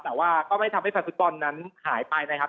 แต่ว่าก็ไม่ทำให้แฟนฟุตบอลนั้นหายไปนะครับ